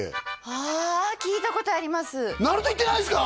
あ聞いたことありますなると行ってないんですか？